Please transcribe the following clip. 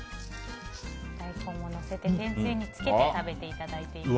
大根ものせて天つゆにつけて食べていただいています。